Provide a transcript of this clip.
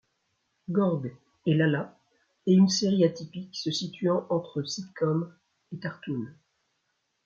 Gorg et Lala et une série atypique se situant entre sitcom et cartoon.